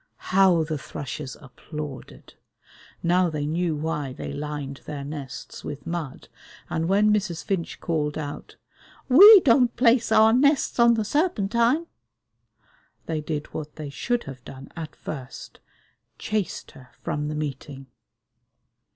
How the thrushes applauded! Now they knew why they lined their nests with mud, and when Mrs. Finch called out, "We don't place our nests on the Serpentine," they did what they should have done at first: chased her from the meeting.